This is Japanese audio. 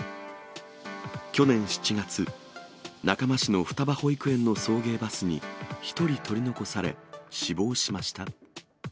去年７月、中間市の双葉保育園の送迎バスに、１人取り残され、死亡しました。